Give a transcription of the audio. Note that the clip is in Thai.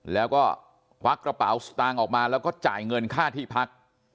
แล้วก็ควักกระเป๋าสตางค์ออกมาแล้วก็จ่ายเงินค่าที่พัก